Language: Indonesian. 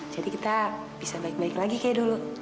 jadi kita bisa baik baik lagi kayak dulu